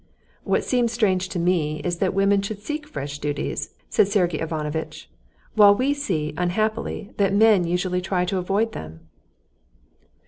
"What seems strange to me is that women should seek fresh duties," said Sergey Ivanovitch, "while we see, unhappily, that men usually try to avoid them."